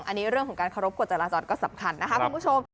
อันนี้เรื่องของการเคารพกฎจราจรก็สำคัญนะคะคุณผู้ชม